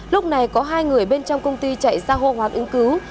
lúc này có hai người bên trong công ty chạy ra hô hoán ứng cứu